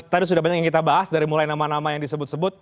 tadi sudah banyak yang kita bahas dari mulai nama nama yang disebut sebut